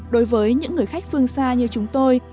đối với những người khách phương xa như chúng tôi